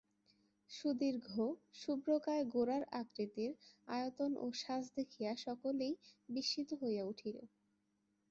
সুদীর্ঘ শুভ্রকায় গোরার আকৃতি আয়তন ও সাজ দেখিয়া সকলেই বিস্মিত হইয়া উঠিল।